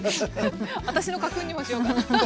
私の家訓にもしようかな。